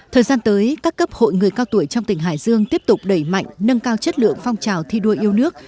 thời gian tới các cấp hội người cao tuổi trong tỉnh hải dương tiếp tục đẩy mạnh nâng cao chất lượng phong trào thi đua yêu nước